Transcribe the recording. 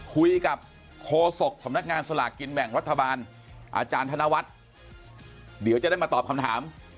คุยกับโคศกสำนักงานสลากกินแบ่งรัฐบาลอาจารย์ธนวัฒน์เดี๋ยวจะได้มาตอบคำถาม